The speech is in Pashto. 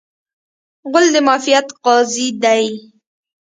غول د معافیت قاضي دی.